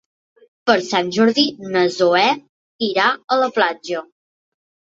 Per Sant Jordi na Zoè irà a la platja.